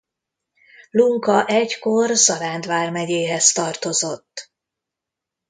Lunka egykor Zaránd vármegyéhez tartozott.